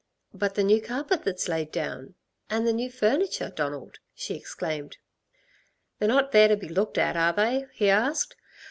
"But the new carpet that's laid down ... and the new furniture, Donald," she exclaimed. "They're not there to be looked at, are they?" he asked.